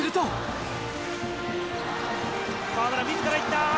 河村、自らいった！